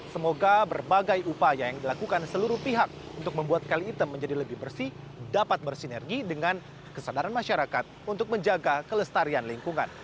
semoga berbagai upaya yang dilakukan seluruh pihak untuk membuat kali item menjadi lebih bersih dapat bersinergi dengan kesadaran masyarakat untuk menjaga kelestarian lingkungan